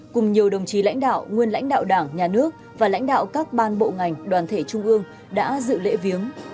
cùng nhiều đồng chí lãnh đạo nguyên lãnh đạo đảng nhà nước và lãnh đạo các ban bộ ngành đoàn thể trung ương đã dự lễ viếng